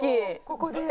ここで。